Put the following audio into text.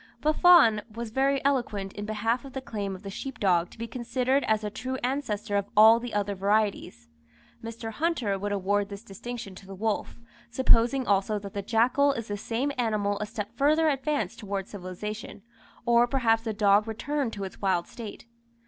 Buffon was very eloquent in behalf of the claim of the sheep dog to be considered as the true ancestor of all the other varieties. Mr. Hunter would award this distinction to the wolf; supposing also that the jackal is the same animal a step further advanced towards civilization, or perhaps the dog returned to its wild state.